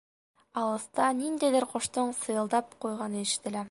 Алыҫта ниндәйҙер ҡоштоң сыйылдап ҡуйғаны ишетелә.